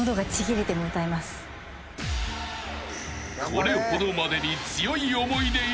［これほどまでに］